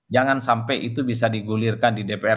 jangan sampai itu bisa digulirkan di dpr